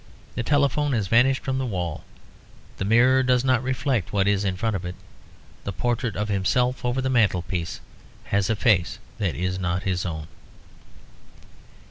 The telephone has vanished from the wall; the mirror does not reflect what is in front of it. The portrait of himself over the mantelpiece has a face that is not his own.